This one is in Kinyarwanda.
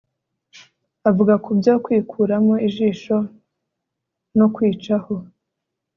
avuga ku byo kwikuramo ijisho no kwicaho